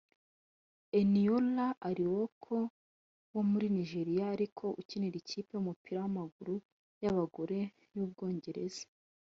Eniola Aluko wo muri Nigeria ariko ukinira ikipe y’Umupira w’amaguru y’abagore y’u Bwongereza